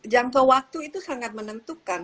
jangka waktu itu sangat menentukan